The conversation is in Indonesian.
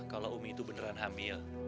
kalau umi itu beneran hamil